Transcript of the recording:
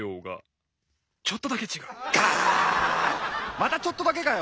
またちょっとだけかよ！